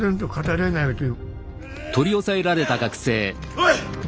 おい！